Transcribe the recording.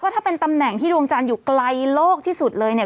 ถ้าเป็นตำแหน่งที่ดวงจันทร์อยู่ไกลโลกที่สุดเลยเนี่ย